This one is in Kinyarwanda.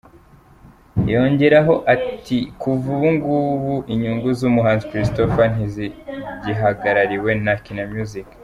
Yongeraho ati “Kuva ubu inyungu z’umuhanzi Christopher ntizigihagarariwe na Kina Music.